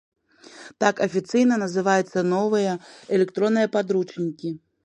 Так афіцыйна называюцца новыя электронныя падручнікі.